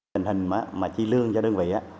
hình hình mà chi lương cho đơn vị